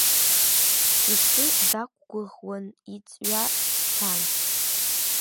Ихы дақәгәыӷуан, иҵҩа цқьан.